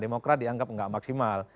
demokrat dianggap gak maksimal